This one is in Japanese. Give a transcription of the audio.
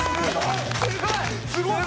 すごい！